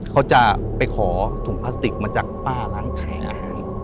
เขาจะไปขอถุงพลาสติกมาจากป้าร้านขายอาหาร